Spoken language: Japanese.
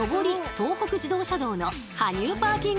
東北自動車道の羽生パーキングエリア。